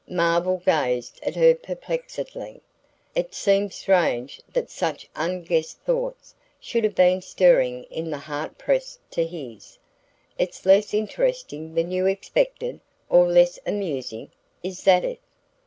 Marvell gazed at her perplexedly. It seemed strange that such unguessed thoughts should have been stirring in the heart pressed to his. "It's less interesting than you expected or less amusing? Is that it?"